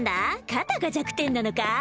肩が弱点なのか？